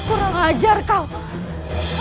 aku tak mengajar kau